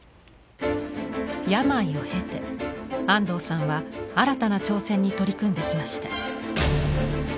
病を経て安藤さんは新たな挑戦に取り組んできました。